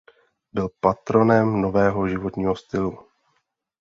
Byl patronem nového životního stylu.